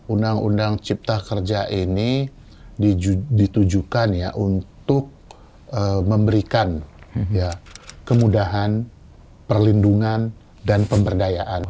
undang undang cipta kerja ini ditujukan untuk memberikan kemudahan perlindungan dan pemberdayaan